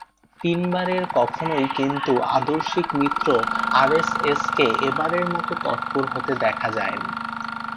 তিনবারের কখনোই কিন্তু আদর্শিক মিত্র আরএসএসকে এবারের মতো তৎপর হতে দেখা যায়নি।